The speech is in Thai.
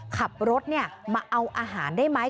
ขับรถมาเอาอาหารได้ไหม